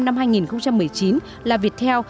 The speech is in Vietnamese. năm hai nghìn một mươi chín là viettel